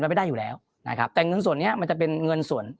ไม่ได้อยู่แล้วนะครับแต่เงินส่วนนี้มันจะเป็นเงินส่วน